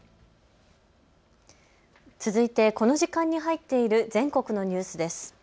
続いて、この時間に入っている全国のニュースです。